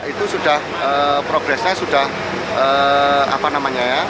itu sudah progresnya